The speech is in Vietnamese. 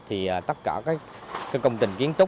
thì tất cả các công trình kiến trúc